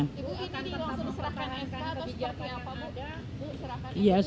bu ini dianggap sebagai serakanan kebijakan yang ada